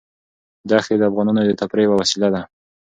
دښتې د افغانانو د تفریح یوه وسیله ده.